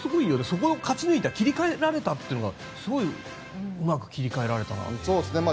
そこを勝ち抜いた切り替えられたのがすごいうまく切り替えられたなと思いますね。